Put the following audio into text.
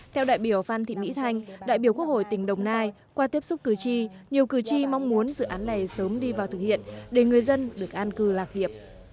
theo đại biểu phan thị mỹ thanh đại biểu quốc hội tỉnh đồng nai qua tiếp xúc cử tri nhiều cử tri mong muốn dự án này sớm đi vào thực hiện để người dân được an cư lạc nghiệp